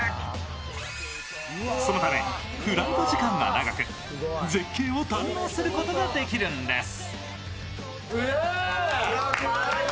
そのためフライト時間が長く絶景を堪能することができるんです。